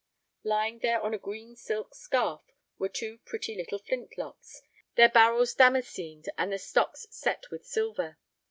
Lying there on a green silk scarf were two pretty little flintlocks, their barrels damascened and the stocks set with silver.